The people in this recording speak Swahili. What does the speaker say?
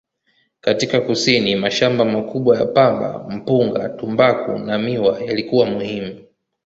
Katika kusini, mashamba makubwa ya pamba, mpunga, tumbaku na miwa yalikuwa muhimu.